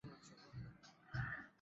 Inaweza kuwa siku ndefu